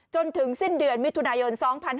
จนถึงสิ้นเดือนมิถุนายน๒๕๖๒